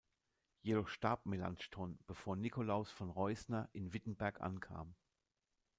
Jedoch starb Melanchthon, bevor Nikolaus von Reusner in Wittenberg ankam.